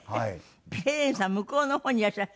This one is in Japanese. ヘレンさん向こうの方にいらっしゃる。